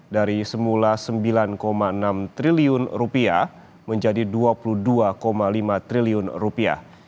dari semula sembilan enam triliun rupiah menjadi dua puluh dua lima triliun rupiah